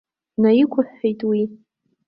Днаиқәыҳәҳәеит уи.